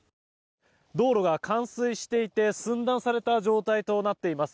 道路が冠水していて寸断された状態となっています。